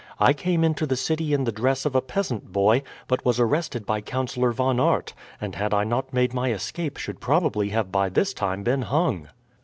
"I came into the city in the dress of a peasant boy, but was arrested by Councillor Von Aert, and had I not made my escape should probably have by this time been hung."